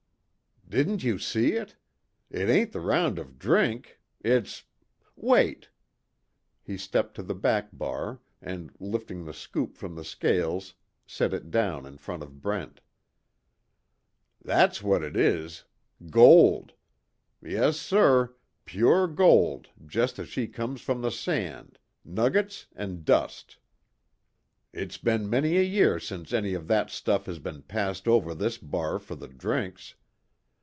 "Didn't you see it? It ain't the round of drinks, it's wait " He stepped to the back bar and lifting the scoop from the scales set it down in front of Brent, "That's what it is gold! Yes sir, pure gold just as she comes from the sand nuggets and dust. It's be'n many a year since any of that stuff has been passed over this bar for the drinks.